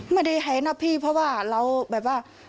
ไม่ได้หายนะพี่เพราะว่าเราแบบว่า